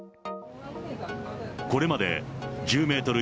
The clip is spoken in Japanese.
これまで１０メートル